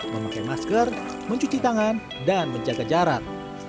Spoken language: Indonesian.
memakai masker mencuci tangan dan menjaga jarak